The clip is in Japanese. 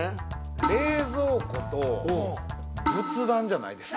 冷蔵庫と仏壇じゃないですか。